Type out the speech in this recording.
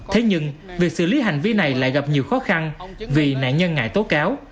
thế nhưng việc xử lý hành vi này lại gặp nhiều khó khăn vì nạn nhân ngại tố cáo